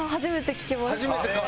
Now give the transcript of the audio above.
初めてか。